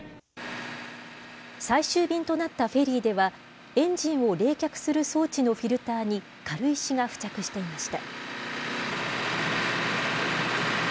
最終便となったフェリーでは、エンジンを冷却する装置のフィルターに軽石が付着していました。